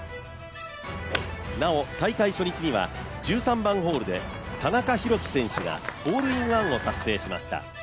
なお、大会初日には１３番ホールで田中裕基選手がホールインワンを達成しました。